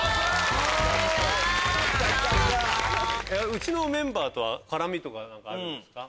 うちのメンバーとは絡みとかあるんですか？